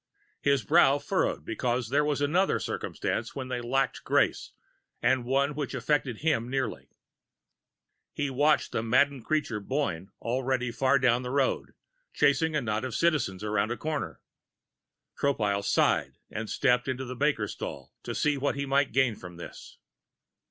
His brow furrowed, because there was another circumstance when they lacked grace, and one which affected him nearly. He watched the maddened creature, Boyne, already far down the road, chasing a knot of Citizens around a corner. Tropile sighed and stepped into the baker's stall to see what he might gain from this.